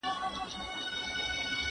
هغه سړی چي پناه غواړي، خوندي کېږي.